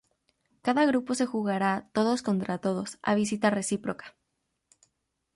Cada grupo se jugará todos contra todos a visita recíproca.